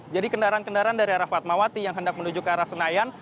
jadi kendaraan kendaraan dari arah fatmawati yang hendak menuju ke arah senayan